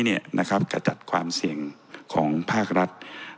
กระจัดความเสี่ยงของภาครัฐ